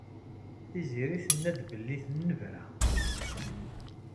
Tiziri tenna-d belli tennebra.